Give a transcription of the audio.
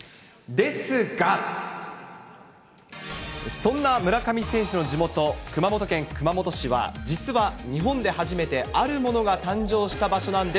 そんな村上選手の地元、熊本県熊本市は、実は日本で初めてあるものが誕生した場所なんです。